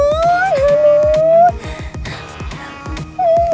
ngeri banget sih